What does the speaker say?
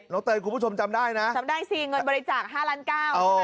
น้องเต๋ยคุณผู้ชมจำได้นะจำได้สิเงินบริจาค๕ล้านเก้า